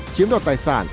chiếm đọt tài sản